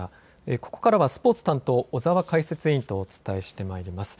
ここからはスポーツ担当、小澤解説委員とお伝えしていきます。